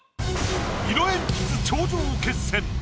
色鉛筆頂上決戦。